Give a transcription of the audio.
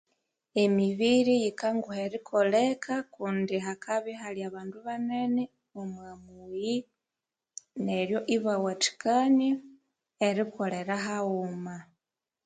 Emibiri yikanguha erikoleka kundi hakabya ihali abandubanene omumiyi neryo abawathikania erikolera haghuma